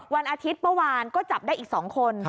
วันอาทิตย์เมื่อวานก็จับได้อีก๒คน